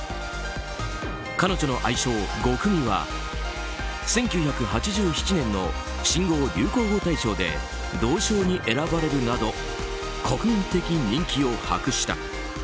彼女の愛称ゴクミは１９８７年の新語・流行語大賞で銅賞に選ばれるなど国民的人気を博した。